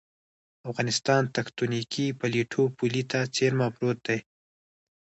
افغانستان تکتونیکي پلیټو پولې ته څېرمه پروت دی